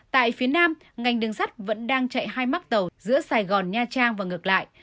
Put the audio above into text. tại phía nam ngành đường sắt vẫn đang chạy hai mắc tàu giữa sài gòn nha trang và ngược lại